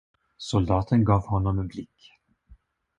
Soldaten gav honom en blick.